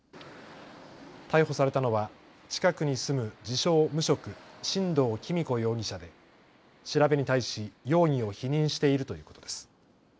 逮捕されたのは近くに住む自称無職、進藤貴美子容疑者で調べに対し容疑を否認しているということです。